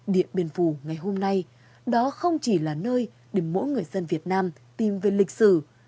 điện biên phủ ngày hôm nay đó không chỉ là nơi để mỗi người dân việt nam tìm về lịch sử